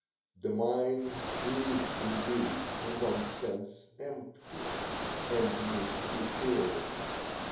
The mind is, indeed, in one sense, empty, and needs to be filled.